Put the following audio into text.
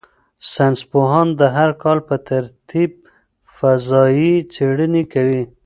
ساینس پوهان د هر کال په ترتیب فضايي څېړنې کوي.